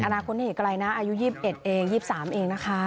อนาคตนี้ก็อะไรนะอายุ๒๑เอง๒๓เองนะคะ